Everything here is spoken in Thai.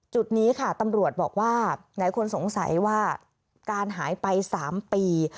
จุดนี้ค่ะตำรวจบอกว่าหลายคนสงสัยว่าการหายไป๓ปี